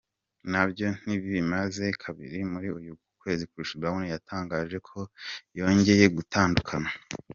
nabyo ntibimaze kabiri muri uku kwezi Chris Brown yatangaje ko yongeye gutandukana.